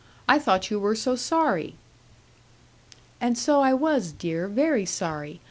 I thought you were so sorry.' 'And so I was, dear; very sorry.